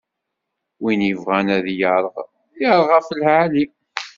Win ibɣan ad ireɣ, ireɣ ɣef lɛali.